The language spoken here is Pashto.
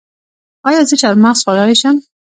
ایا زه چهارمغز خوړلی شم؟